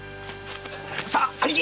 さあ兄貴。